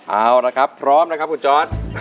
เอาละครับพร้อมนะครับคุณจอร์ด